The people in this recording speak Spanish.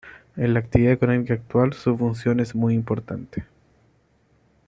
En la actividad económica actual, su función es muy importante.